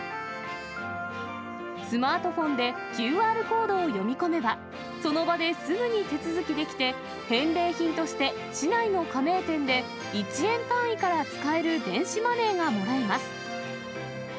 スマートフォンでＱＲコードを読み込めば、その場ですぐに手続きできて、返礼品として市内の加盟店で１円単位から使える電子マネーがもらえます。